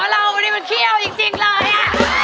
อ๋อเราวันนี้มันเขี้ยวจริงเลยอ่ะ